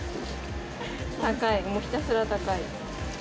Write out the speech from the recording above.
高い、もうひたすら高い。